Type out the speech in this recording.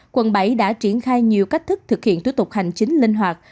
quận bảy đã triển khai nhiều cách thức thực hiện thủ tục hành chính linh hoạt